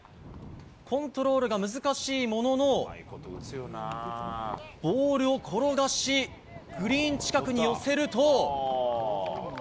コントロールが難しいものの、ボールを転がし、グリーン近くに寄せると。